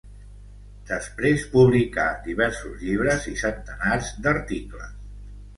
Després publicà diversos llibres i centenars d'articles.